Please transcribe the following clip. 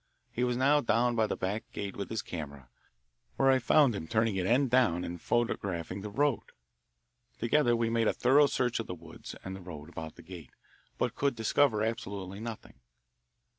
He was now down by the back gate with his camera, where I found him turning it end down and photographing the road. Together we made a thorough search of the woods and the road about the gate, but could discover absolutely nothing.